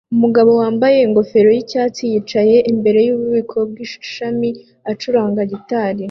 Umugabo wambaye ingofero yicyatsi yicaye imbere yububiko bwishami acuranga gitari